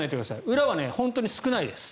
裏は本当に少ないです。